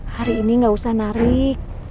hari ini gak usah narik